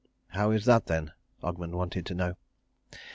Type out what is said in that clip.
"How is that then?" Ogmund wanted to know.